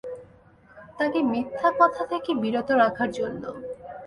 তাকে মিথ্যা বলা থেকে বিরত রাখার জন্য।